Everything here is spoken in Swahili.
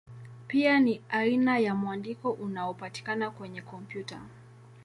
Pia ni aina ya mwandiko unaopatikana kwenye kompyuta.